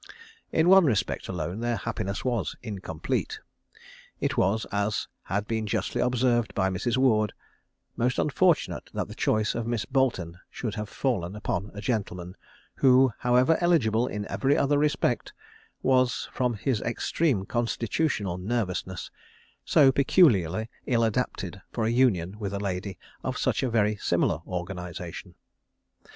In one respect alone their happiness was incomplete. It was, as had been justly observed by Mrs. Ward, most unfortunate that the choice of Miss Boleton should have fallen upon a gentleman, who however eligible in every other respect, was, from his extreme constitutional nervousness, so peculiarly ill adapted for union with a lady of such very similar organisation.